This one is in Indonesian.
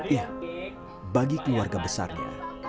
ya bagi keluarga besarnya